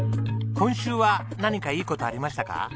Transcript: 今週は何かいい事ありましたか？